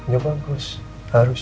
ya bagus harus